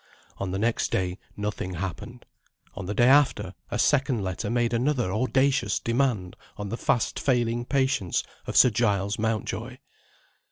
On the next day, nothing happened. On the day after, a second letter made another audacious demand on the fast failing patience of Sir Giles Mountjoy.